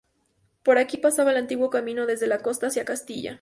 Por aquí pasaba el antiguo camino desde la costa hacia Castilla.